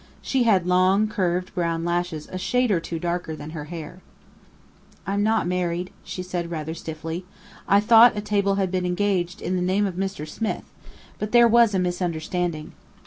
She had long, curved brown lashes a shade or two darker than her hair. "I'm not married," she said, rather stiffly. "I thought a table had been engaged in the name of Mr. Smith, but there was a misunderstanding.